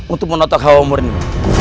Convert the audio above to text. untuk menotak hawa murnim